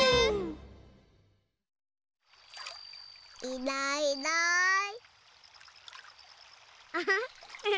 いないいない。